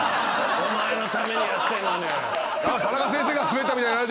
お前のためにやってんのに。